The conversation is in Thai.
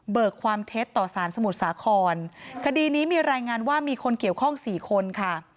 ความเท็จต่อสารสมุทรสาครคดีนี้มีรายงานว่ามีคนเกี่ยวข้องสี่คนค่ะ